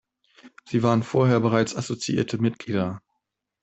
Sie waren vorher bereits assoziierte Mitglieder.